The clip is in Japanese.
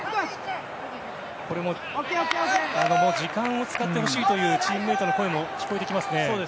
もう時間を使ってほしいというチームメートの声も聞こえてきますね。